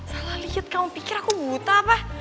salah liat kamu pikir aku buta apa